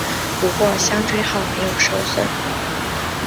不过香椎号没有受损。